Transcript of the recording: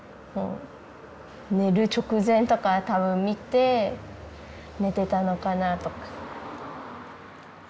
寝る直前とか多分見て寝てたのかなとか。